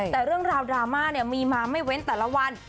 แต่เรื่องราวดราม่ามีมาไม่เว้นแต่ละวัน